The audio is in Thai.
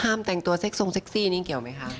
และไม่ต้องห้ามแทนตัวส่งแซ็กซี่นี้เกี่ยวไหมคะ